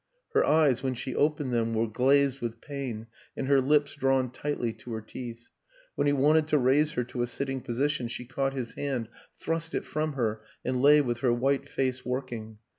Her eyes, when she opened them, were glazed with pain and her lips drawn tightly to her teeth; when he wanted to raise her to a sitting position she caught his hand, thrust it from her and lay with her white face working.